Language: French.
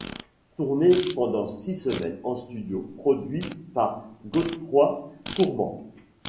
Tourné pendant six semaines, en studio, produit par Godfroid Courtmans.